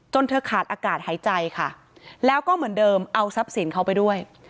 เธอขาดอากาศหายใจค่ะแล้วก็เหมือนเดิมเอาทรัพย์สินเขาไปด้วย